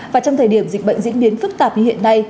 và trong thời điểm dịch bệnh diễn biến phức tạp như hiện nay